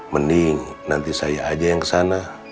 mending nanti saya aja yang kesana